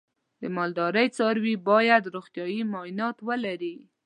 د مالدارۍ څاروی باید روغتیايي معاینات ولري.